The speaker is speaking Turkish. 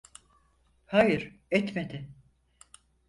Hayır, etmedi.